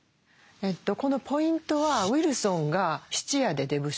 このポイントはウィルソンが質屋で出不精だと。